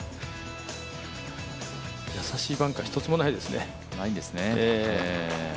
易しいバンカー１つもないですね。